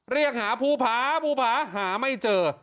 เรียกหาภูผาภูผาหาไม่เจอ